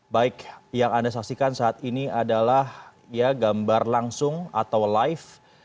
baik yang anda saksikan saat ini adalah gambar langsung atau live